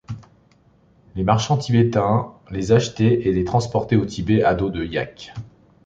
Les marchands tibétains les achetaient et les transportaient au Tibet à dos de yacks.